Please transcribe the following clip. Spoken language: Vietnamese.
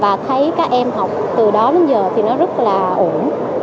và thấy các em học từ đó đến giờ thì nó rất là ổn